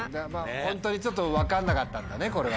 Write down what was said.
ホントにちょっと分かんなかったんだねこれは。